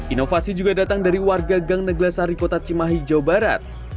inovasi juga datang dari warga gang neglasari kota cimahi jawa barat